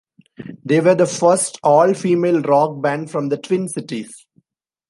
They were the first all female rock band from the Twin Cities.